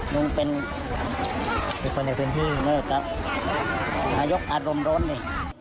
นุ่งเป็นคนในพื้นที่มันจะยกอารมณ์โรนดิ